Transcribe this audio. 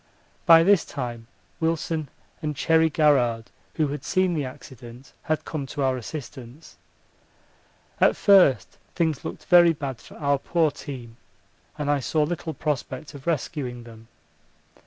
By this time Wilson and Cherry Garrard, who had seen the accident, had come to our assistance. At first things looked very bad for our poor team, and I saw little prospect of rescuing them.